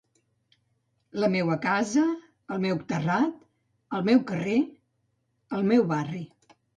La meua casa, el meu terrat, el meu carrer, el meu barri.